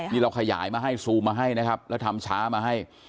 นี่เราขยายมาให้ซูมมาให้นะครับแล้วทำช้ามาให้